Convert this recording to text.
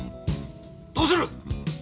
どうする？